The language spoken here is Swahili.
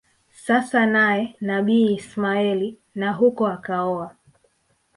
sasa naye Nabii Ismail na huko akaoa